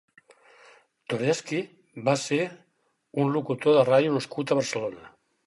Toresky va ser un locutor de ràdio nascut a Barcelona.